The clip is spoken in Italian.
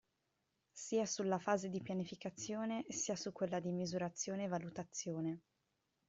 Sia sulla fase di pianificazione sia su quella di misurazione e valutazione.